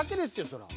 そりゃ。